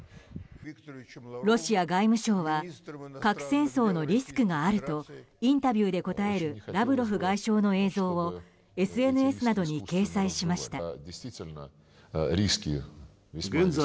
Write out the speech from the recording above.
ロシア外務省は核戦争のリスクがあるとインタビューで答えるラブロフ外相の映像をＳＮＳなどに掲載しました。